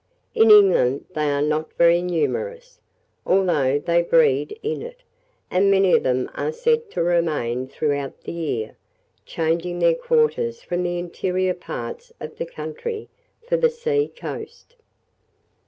In England they are not very numerous, although they breed in it; and many of them are said to remain throughout the year, changing their quarters from the interior parts of the country for the seacoast.